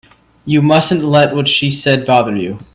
You mustn't let what she said bother you.